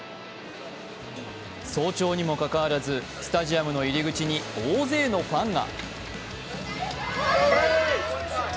早朝にもかかわらず、スタジアムの入口に大勢のファンが。